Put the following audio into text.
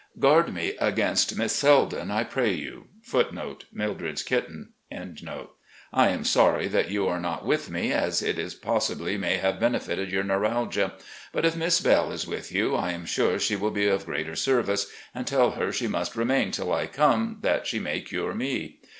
Guard me against 'Miss Selden,'* I pray you. I am sorry that you are. not with me, as it possibly may have benefited your neuralgia. But if Miss Belle is with you, I am sure she will be of greater service, and tell her she must remain till I come, that she may cirre me.